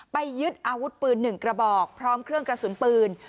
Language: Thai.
ยึดอาวุธปืน๑กระบอกพร้อมเครื่องกระสุนปืน